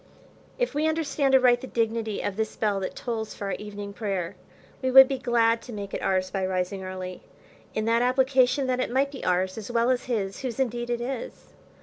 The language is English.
If we understand aright the dignity of this bell that tolls for our evening prayer, we would be glad to make it ours by rising early, in that application, that it might be ours as well as his, whose indeed it is.